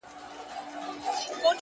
که مُلایان دي که یې چړیان دي,